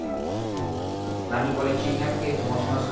『ナニコレ珍百景』と申します。